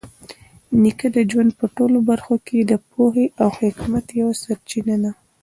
نیکه د ژوند په ټولو برخو کې د پوهې او حکمت یوه سرچینه ده.